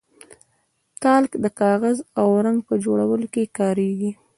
تالک د کاغذ او رنګ په جوړولو کې کاریږي.